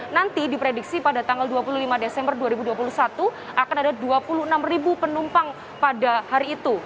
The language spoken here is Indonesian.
nanti diprediksi pada tanggal dua puluh lima desember dua ribu dua puluh satu akan ada dua puluh enam penumpang pada hari itu